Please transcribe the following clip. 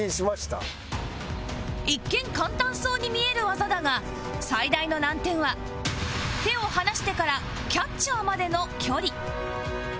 一見簡単そうに見える技だが最大の難点は手を離してからキャッチャーまでの距離